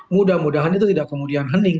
mudah mudahan itu tidak kemudian hening